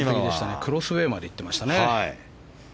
クロスウェーまで行ってました。